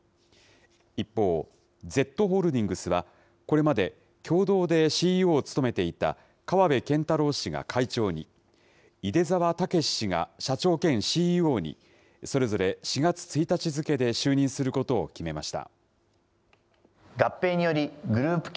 一方、Ｚホールディングスは、これまで共同でＣＥＯを務めていた川邊健太郎氏が会長に、出澤剛氏が社長兼ＣＥＯに、それぞれ４月１日付で就任することを決めました。